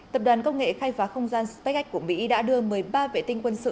tập đoàn công nghệ khai phá không gian spacex của mỹ đã đưa một mươi ba vệ tinh quân sự